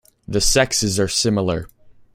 The sexes are similar.